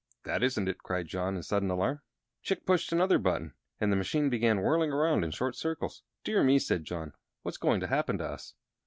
"That isn't it!" cried John, in sudden alarm. Chick pushed another button, and the machine began whirling around in short circles. "Dear me!" said John; "what's going to happen to us?"